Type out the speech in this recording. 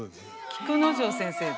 菊之丞先生だ。